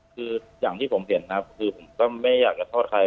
คืออย่างที่ผมเห็นนะครับคือผมก็ไม่อยากจะโทษใคร